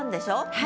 はい。